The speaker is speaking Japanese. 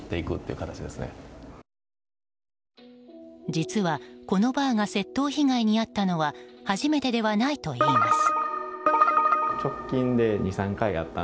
実は、このバーが窃盗被害に遭ったのは初めてではないといいます。